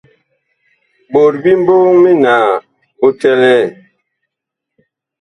Ɓot bi mbɔŋ minaa bu bi tɛlɛɛ.